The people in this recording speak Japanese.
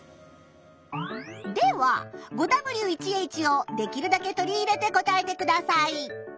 では５Ｗ１Ｈをできるだけ取り入れて答えてください。